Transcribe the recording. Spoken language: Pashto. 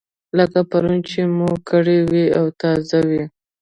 لکه پرون چې مو کړې وي او تازه وي.